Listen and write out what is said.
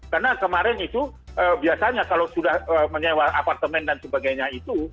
karena kemarin itu biasanya kalau sudah menyewa apartemen dan sebagainya itu